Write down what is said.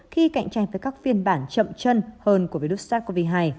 khi cạnh tranh với các phiên bản chậm chân hơn của virus sars cov hai